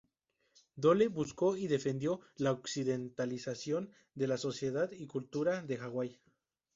Dole buscó y defendió la occidentalización de la sociedad y cultura de Hawái.